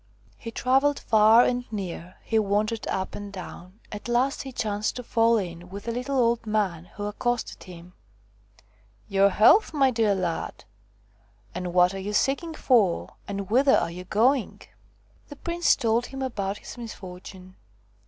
He travelled far and near, he wandered up and down. At last he chanced to fall in with a little old man who accosted him :" Your health, my dear lad ! and what are you seeking for, and whither are you going 1 ' The prince told him about his misfortune.